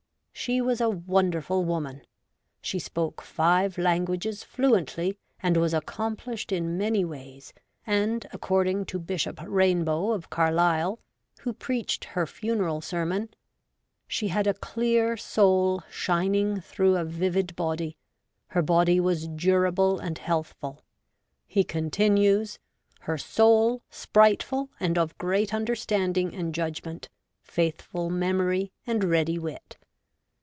She was a wonderful woman. She spoke five languages fluently, and was accomplished in many ways, and,, according to Bishop Rainbow, of Carlisle, who preached her funeral sermon, ' she had a clear soul shining through a vivid body : her body was durable and healthful,' he continues ;' her soul sp rightful and of great understanding and judgment^ faithful memory, and ready wit.'